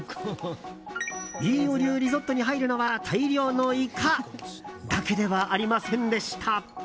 飯尾流リゾットに入るのは大量のイカだけではありませんでした。